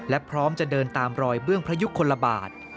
และพร้อมจะเดินตามรอยเบื้องพระยุคลบาท